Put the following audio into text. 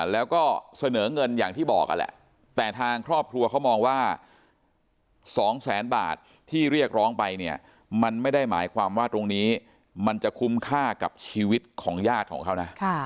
แล้วก็เสนอเงินอย่างที่บอกนั่นแหละแต่ทางครอบครัวเขามองว่า๒แสนบาทที่เรียกร้องไปเนี่ยมันไม่ได้หมายความว่าตรงนี้มันจะคุ้มค่ากับชีวิตของญาติของเขานะ